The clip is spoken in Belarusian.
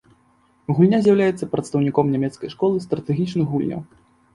Гульня з'яўляецца прадстаўніком нямецкай школы стратэгічных гульняў.